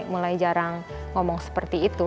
mulai jarang ngomong seperti itu